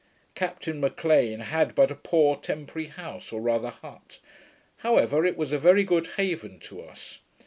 Captain M'Lean had but a poor temporary house, or rather hut; however, it was a very good haven to us.